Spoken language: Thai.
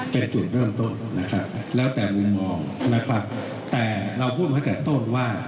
เป็นจุดเริ่มต้นนะครับแล้วแต่มุมมองนะครับแต่เราพูดมาตั้งแต่ต้นว่า